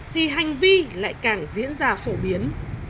thì hành vi lại càng diễn ra phổ biến